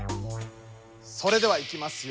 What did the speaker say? それではいきますよ。